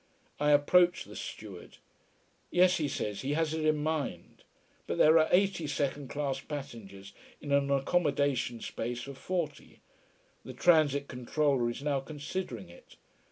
I approach the steward. Yes, he says, he has it in mind. But there are eighty second class passengers, in an accommodation space for forty. The transit controller is now considering it.